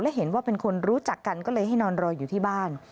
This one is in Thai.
และเห็นว่าเป็นคนรู้จักกันก็เลยให้นอนรออยู่ที่บ้าน